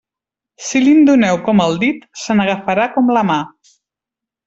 Si li'n doneu com el dit, se n'agafarà com la mà.